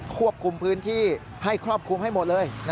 ควบคุมพื้นที่ให้ครอบคลุมให้หมดเลย